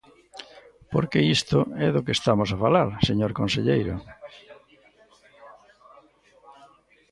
Porque isto é do que estamos a falar, señor conselleiro.